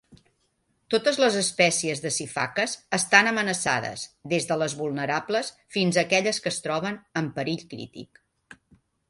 Totes les espècies de sifaques estan amenaçades, des de les vulnerables fins a aquelles que es troben en perill crític.